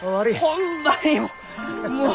ホンマにもう。